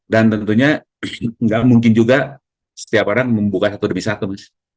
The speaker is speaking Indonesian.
dan tentunya nggak mungkin juga setiap orang membuka satu demi satu mas